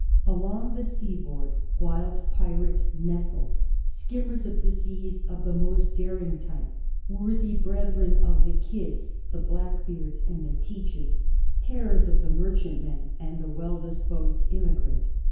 Along the seaboard wild pirates nestled, skimmers of the seas of the most daring type, worthy brethren of the Kidds, the Black beards, and the Teaches, terrors of the merchantman and the well disposed emigrant.